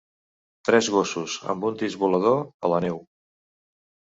Tres gossos, un amb un disc volador, a la neu.